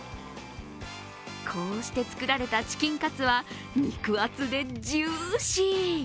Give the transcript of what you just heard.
こうして作られたチキンカツは肉厚でジューシー。